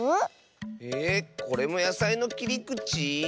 えこれもやさいのきりくち？